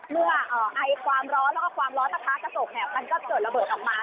เมื่อไอความร้อนแล้วก็ความร้อนสะท้ากระจกเนี่ยมันก็เกิดระเบิดออกมา